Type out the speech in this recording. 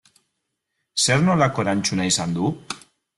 Zer nolako erantzuna izan du?